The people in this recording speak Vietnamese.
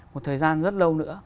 một thời gian rất lâu nữa